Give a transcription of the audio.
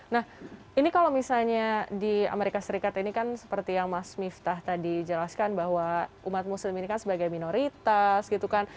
nah ini kalau misalnya di amerika serikat ini kan seperti yang mas miftah tadi jelaskan bahwa umat muslim ini kan sebagai minoritas gitu kan